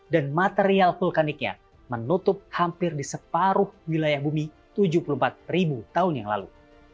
dan material vulkaniknya menutup hampir di separuh wilayah bumi tujuh puluh empat tahun yang lalu